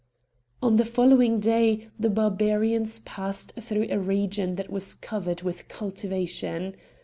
On the following day the Barbarians passed through a region that was covered with cultivation.